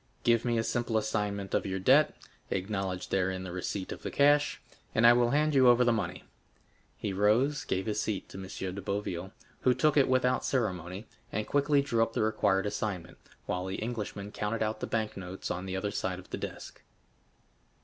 Give me a simple assignment of your debt; acknowledge therein the receipt of the cash, and I will hand you over the money." He rose, gave his seat to M. de Boville, who took it without ceremony, and quickly drew up the required assignment, while the Englishman counted out the bank notes on the other side of the desk.